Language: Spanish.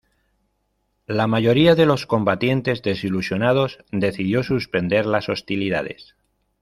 La mayoría de los combatientes, desilusionados, decidió suspender las hostilidades.